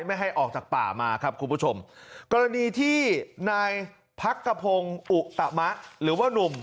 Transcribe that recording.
ไม่ให้ออกจากป่ามาครับคุณผู้ชมกรณีที่นายพักกระพงศ์อุตมะหรือว่านุ่ม